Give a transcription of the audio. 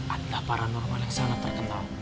ada paranormal yang sangat terkenal